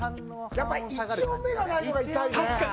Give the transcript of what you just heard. やっぱ１音目がないのが痛いね